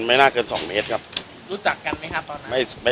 สุดท้ายสุดท้าย